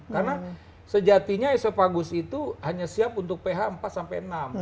karena sejatinya esopagus itu hanya siap untuk ph empat sampai enam